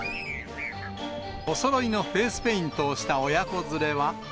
おそろいのフェイスペイントをした親子連れは。